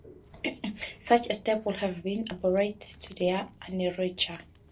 Such a step would have been abhorrent to their inertia.